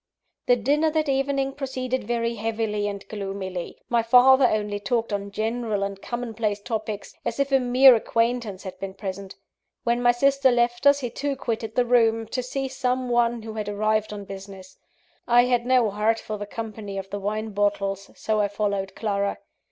The dinner that evening proceeded very heavily and gloomily. My father only talked on general and commonplace topics, as if a mere acquaintance had been present. When my sister left us, he too quitted the room, to see some one who had arrived on business. I had no heart for the company of the wine bottles, so I followed Clara.